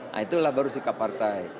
nah itulah baru sikap partai